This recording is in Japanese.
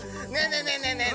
ねえねえねえねえ！